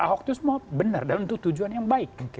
ahok itu semua benar dan untuk tujuan yang baik